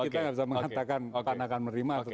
kita nggak bisa mengatakan pan akan menerima atau